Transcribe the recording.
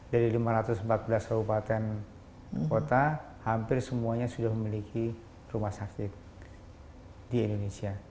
dari lima ratus empat belas kabupaten kota hampir semuanya sudah memiliki rumah sakit di indonesia